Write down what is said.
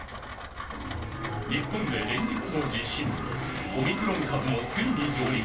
日本で連日の地震オミクロン株もついに上陸。